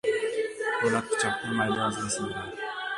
• Po‘lat pichoqni mayda narsalar sindiradi.